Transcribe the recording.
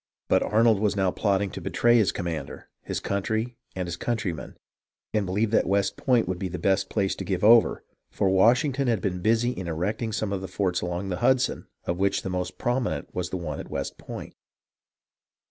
But Arnold was now plotting to betray his commander, his country, and his countrymen," and believed that West Point would be the best place to give over, for Washington had been busy in erecting some forts along the Hudson, of which the most prominent one was at West Point.